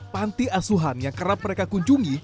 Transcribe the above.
panti asuhan yang kerap mereka kunjungi